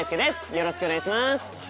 よろしくお願いします。